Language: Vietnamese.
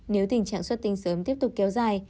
nếu tình trạng xuất tinh sớm tiếp tục kéo dài